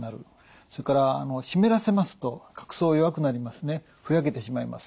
それから湿らせますと角層弱くなりますねふやけてしまいます。